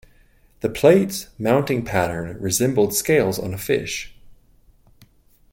The plates mounting pattern resembled scales on a fish.